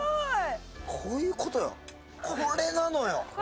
こういうことよ、これなのよ！